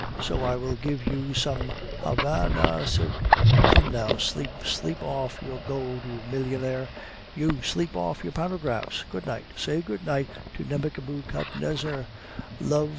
So I will give you some Hava na cig " "Come, now, sleep. Sleep off your gold, you millionaire!" "You! sleep off your paragraphs! Good night! Say good night to Nebuchadnezzar! Love!